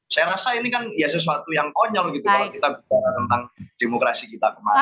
saya rasa ini kan ya sesuatu yang konyol gitu kalau kita bicara tentang demokrasi kita kemarin